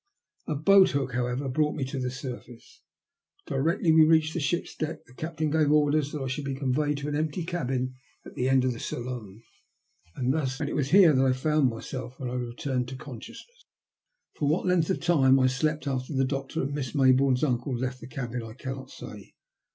A boat hook, however, soon brought me to the surface. Directly we reached the ship's deck the captain gave orders that I should be conveyed to an empty cabin at the end of the saloon, and it was here that I found myself when I returned to consciousness. For what length of time I slept after the doctor and Miss Mayboume's uncle left the cabin I cannot say.